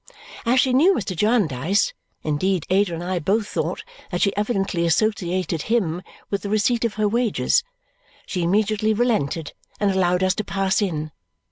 As she knew Mr. Jarndyce (indeed Ada and I both thought that she evidently associated him with the receipt of her wages), she immediately relented and allowed us to pass in.